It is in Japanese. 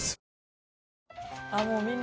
あっもうみんな。